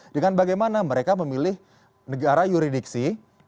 dengan bagaimana mereka memilih negara yuridiksi